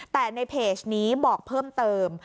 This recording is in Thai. แต่ในเพจนี้บอกเพิ่มเติม